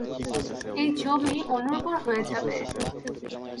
এই জমি অনুর্বর হয়ে যাবে।